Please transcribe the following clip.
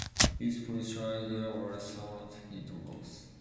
His political ideas were somewhat heterodox.